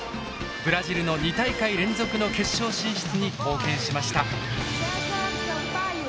ブラジルの２大会連続の決勝進出に貢献しました。